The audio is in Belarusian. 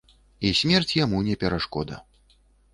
І смерць яму не перашкода.